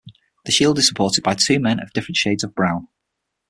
The shield is supported by two men of different shades of brown.